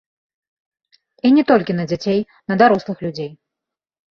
І не толькі на дзяцей, на дарослых людзей.